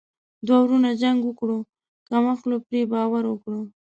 دوه ورونو جنګ وکړو کم عقلو پري باور وکړو.